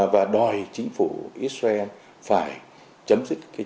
và đòi chính phủ israel phải chấm dứt chiến sự tại gaza